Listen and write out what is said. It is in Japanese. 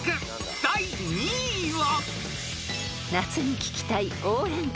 ［第２位は］